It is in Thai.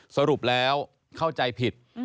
สรุปแล้วเข้าใจผิด